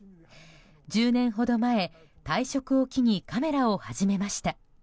１０年前ほど前退職を機にカメラを始めました。